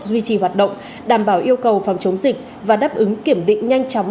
duy trì hoạt động đảm bảo yêu cầu phòng chống dịch và đáp ứng kiểm định nhanh chóng